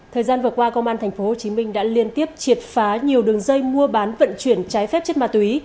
thời gian vừa qua công an tp hcm đã liên tiếp triệt phá nhiều đường dây mua bán vận chuyển trái phép chất ma túy